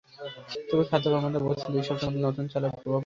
তবে খাদ্য কর্মকর্তারা বলছেন, দুই সপ্তাহের মধ্যে নতুন চালের প্রভাব পড়বে।